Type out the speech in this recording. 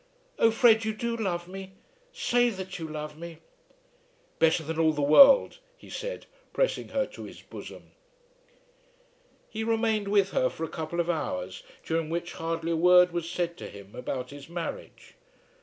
Oh, Fred, you do love me? Say that you love me." "Better than all the world," he said pressing her to his bosom. He remained with her for a couple of hours, during which hardly a word was said to him about his marriage.